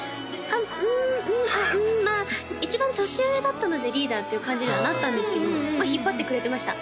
あっうんうんまあ一番年上だったのでリーダーっていう感じにはなったんですけれどもまあ引っ張ってくれてました